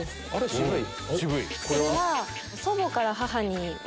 渋い。